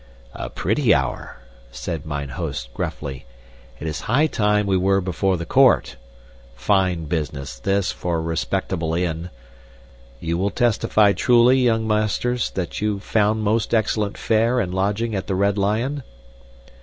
"A pretty hour," said mine host, gruffly. "It is high time we were before the court. Fine business, this, for a respectable inn. You will testify truly, young masters, that you found most excellent fare and lodging at the Red Lion?"